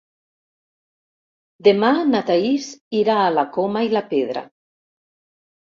Demà na Thaís irà a la Coma i la Pedra.